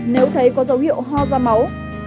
nếu thấy có dấu hiệu ho ra máu